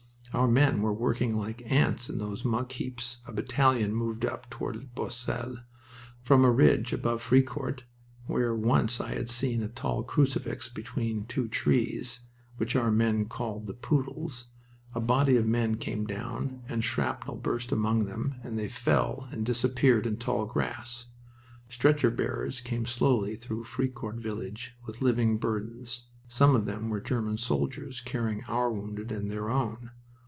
Our men were working like ants in those muck heaps, a battalion moved up toward Boisselle. From a ridge above Fricourt, where once I had seen a tall crucifix between two trees, which our men called the "Poodles," a body of men came down and shrapnel burst among them and they fell and disappeared in tall grass. Stretcher bearers came slowly through Fricourt village with living burdens. Some of them were German soldiers carrying our wounded and their own.